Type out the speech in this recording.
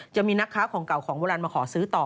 จะมีนักค้าของเก่าของโบราณมาขอซื้อต่อ